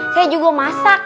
saya juga masak